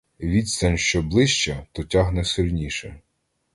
Відстань що ближча, то тягне сильніше.